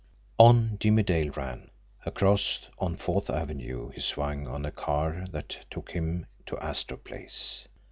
On Jimmie Dale ran. Across on Fourth Avenue he swung on a car that took him to Astor Place.